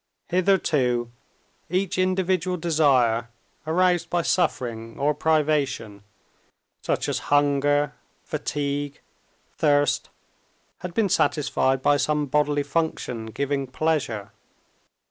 Hitherto each individual desire, aroused by suffering or privation, such as hunger, fatigue, thirst, had been satisfied by some bodily function giving pleasure.